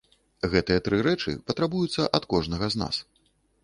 Гэтыя тры рэчы патрабуюцца ад кожнага з нас.